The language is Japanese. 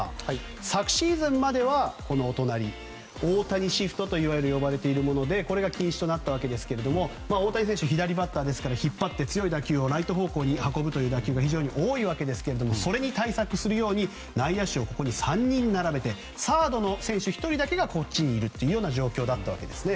昨シーズンまではこの、お隣の大谷シフトといわゆる呼ばれていたものでこれが禁止となったわけですけれども大谷選手、左バッターですから引っ張って強い打球をライト方向に投げる球が非常に多いわけですけどもそれに対策するように内野手を、ここに３人並べてサードの選手１人だけがこっちにいるというような状況だったわけですね。